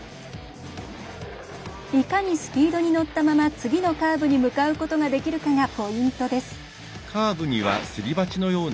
いかにスピードに乗ったまま次のカーブに向かうことができるかがポイントです。